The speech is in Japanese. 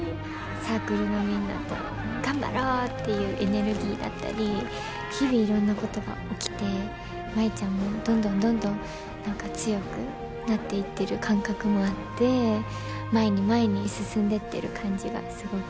サークルのみんなと頑張ろうっていうエネルギーだったり日々いろんなことが起きて舞ちゃんもどんどんどんどん何か強くなっていってる感覚もあって前に前に進んでってる感じがすごくします。